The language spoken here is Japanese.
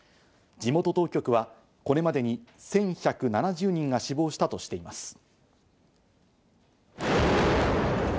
地元当局はこれまでに１１７０人が死亡したとしています。